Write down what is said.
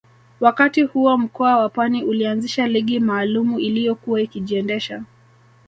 Wakati huo mkoa wa Pwani ulianzisha ligi maalumu iliyokuwa ikijiendesha